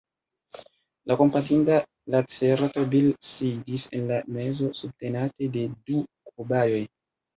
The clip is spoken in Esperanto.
La kompatinda lacerto Bil sidis en la mezo subtenate de du kobajoj